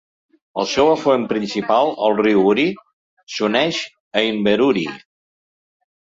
El seu afluent principal, el riu Ury, s'uneix a Inverurie.